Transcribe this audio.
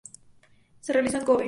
Se realizó en Kobe.